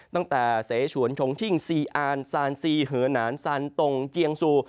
ตั้งแต่เสฉวนชงชิ่งซีอานซานซีเหอนานซานตรงเจียงซู